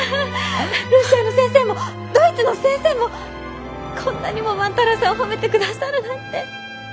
ロシアの先生もドイツの先生もこんなにも万太郎さんを褒めてくださるなんて！